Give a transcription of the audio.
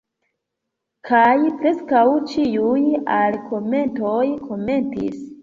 Kaj preskaŭ ĉiuj alkomentoj komentis: